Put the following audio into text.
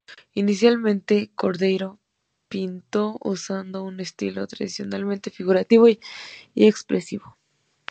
Inicialmente, Cordeiro pintó usando un estilo tradicionalmente figurativo y expresivo.